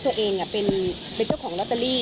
ตัวเองเป็นเจ้าของลอตเตอรี่